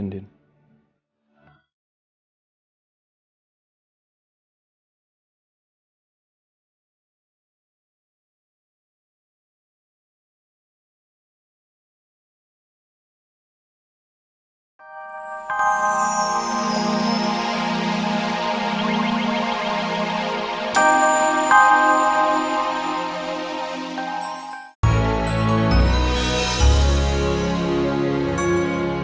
kamu derp begini karena saya ya